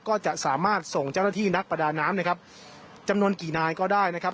ก็จะสามารถส่งเจ้าหน้าที่นักประดาน้ำนะครับจำนวนกี่นายก็ได้นะครับ